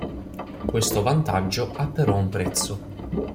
Questo vantaggio ha però un prezzo.